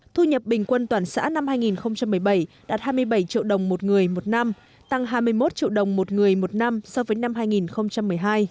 thu nhập bình quân toàn xã năm hai nghìn một mươi bảy đạt hai mươi bảy triệu đồng một người một năm tăng hai mươi một triệu đồng một người một năm so với năm hai nghìn một mươi hai